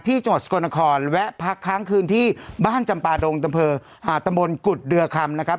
จังหวัดสกลนครแวะพักค้างคืนที่บ้านจำปาดงอำเภอตะมนต์กุฎเรือคำนะครับ